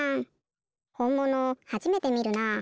ほんものはじめてみるなあ。